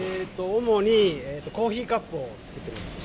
主にコーヒーカップを作ってます。